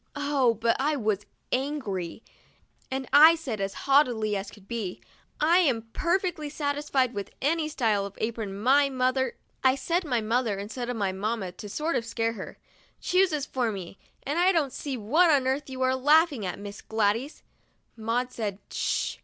Oh, but I was angry, and I said, as haughtily as could be: "I am perfectly satisfied with any style of apron my mother" (I said mother instead of mamma to sort of scare her) " chooses for me, and I don't see what on earth you are laughing at, Miss Gladys." Maud said "Sh!"